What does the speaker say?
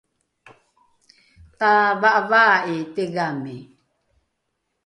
tava’avaa’i tigami